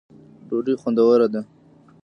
ډوډۍ خوندوره ده.